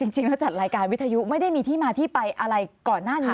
จริงแล้วจัดรายการวิทยุไม่ได้มีที่มาที่ไปอะไรก่อนหน้านี้